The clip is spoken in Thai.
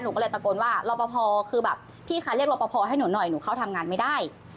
หนูก็เลยตะโกนว่ารอปภคือแบบพี่คะเรียกรอปภให้หนูหน่อยหนูเข้าทำงานไม่ได้